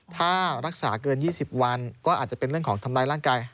ถ้ารักษาเกิน๒๐วันก็อาจจะเป็นเรื่องของทำร้ายร่างกาย